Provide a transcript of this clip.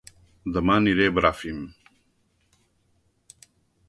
Dema aniré a Bràfim